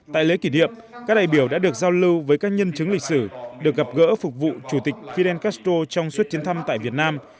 tại lễ kỷ niệm các đại biểu đã được giao lưu với các nhân chứng lịch sử được gặp gỡ phục vụ chủ tịch fidel castro trong suốt chuyến thăm tại việt nam